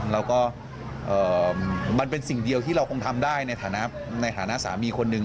แล้วก็มันเป็นสิ่งเดียวที่เราคงทำได้ในฐานะสามีคนหนึ่ง